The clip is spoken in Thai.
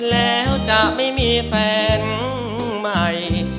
แล้วจะไม่มีแฟนใหม่